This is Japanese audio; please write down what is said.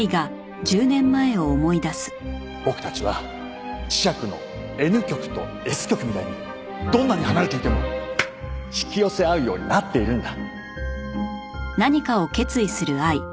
僕たちは磁石のＮ極とＳ極みたいにどんなに離れていても引き寄せ合うようになっているんだ。